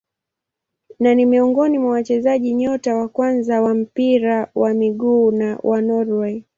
Na ni miongoni mwa wachezaji nyota wa kwanza wa mpira wa miguu wa Norway.